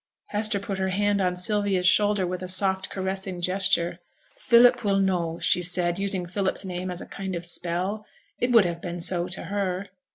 Hester put her hand on Sylvia's shoulder with a soft, caressing gesture. 'Philip will know,' she said, using Philip's name as a kind of spell it would have been so to her.